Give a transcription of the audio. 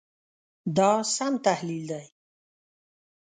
دا سم تحلیل دی.